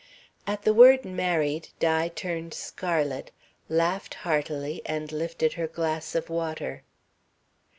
At the word "married" Di turned scarlet, laughed heartily and lifted her glass of water.